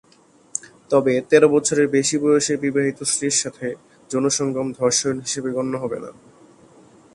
তবে তেরো বছরের বেশি বয়সের বিবাহিত স্ত্রীর সাথে যৌন সঙ্গম ধর্ষণ হিসেবে গণ্য হবে না।